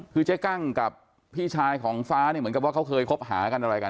คือเจ๊กั้งกับพี่ชายของฟ้าเนี่ยเหมือนกับว่าเขาเคยคบหากันอะไรกัน